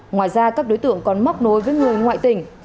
ngoài ra các đối tượng còn móc nối với người ngoại tỉnh